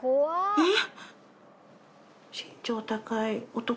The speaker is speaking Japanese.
えっ？